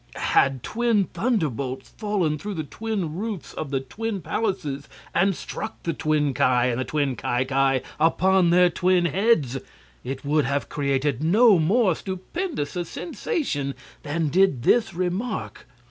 Had twin thunderbolts fallen through the twin roofs of the twin palaces and struck the twin Ki and the twin Ki Ki upon their twin heads it would have created no more stupendous a sensation than did this remark.